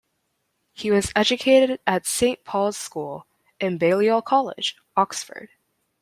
He was educated at Saint Paul's School and Balliol College, Oxford.